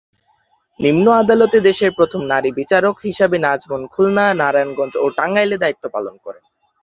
নিম্ন আদালতে দেশের প্রথম নারী বিচারক হিসেবে নাজমুন খুলনা, নারায়ণগঞ্জ ও টাঙ্গাইলে দায়িত্ব পালন করেন।